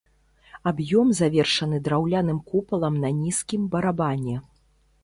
Аб'ём завершаны драўляным купалам на нізкім барабане.